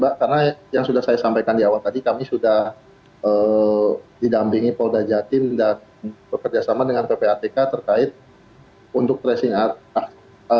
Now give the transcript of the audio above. karena yang sudah saya sampaikan di awal tadi kami sudah didampingi polda jatim dan bekerjasama dengan ppatk terkait untuk tracing asset